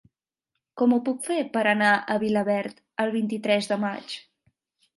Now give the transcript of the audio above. Com ho puc fer per anar a Vilaverd el vint-i-tres de maig?